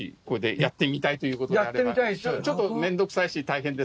やってみたいです！